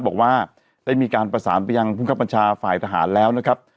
บอกว่าได้มีการประสานไปยังพบฝ่ายทหารแล้วนะครับ